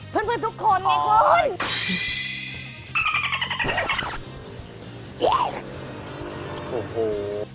เพื่อนเต้นทุกคนไว้กุ้ง